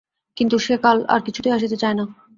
কিন্তু সে কাল আর কিছুতেই আসিতে চায় না।